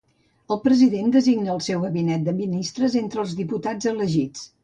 El president designa el seu gabinet de ministres entre els diputats elegits.